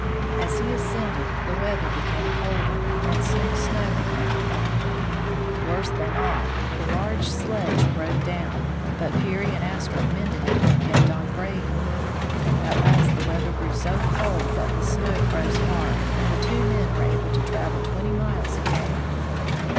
As he ascended the weather became colder, and soon snow began to fall. Worse than all, the large sledge broke down, but Peary and Astrup mended it and kept on bravely. At last the weather grew so cold that the snow froze hard, and the two men were able to travel twenty miles a day.